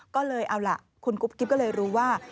ก็เลยเอาล่ะคุณกุ๊บกิ๊บก็เลยรู้ว่า